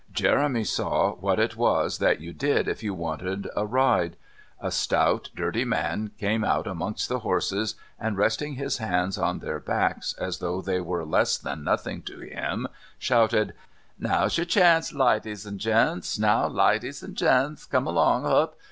Jeremy saw what it was that you did if you wanted to ride. A stout dirty man came out amongst the horses and, resting his hands on their backs as though they were less than nothing to him, shouted: "Now's your chance, lidies and gents! Now, lidies and gents! Come along hup!